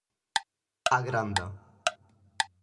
A Granda.